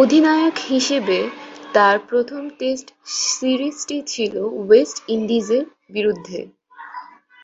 অধিনায়ক হিসেবে তার প্রথম টেস্ট সিরিজটি ছিল ওয়েস্ট ইন্ডিজের বিরুদ্ধে।